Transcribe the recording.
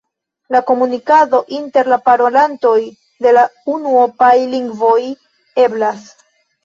La komunikado inter la parolantoj de la unuopaj lingvoj eblas.